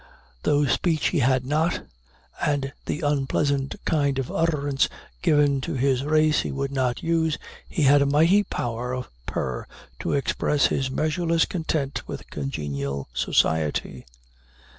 Though speech he had not, and the unpleasant kind of utterance given to his race he would not use, he had a mighty power of purr to express his measureless content with congenial society.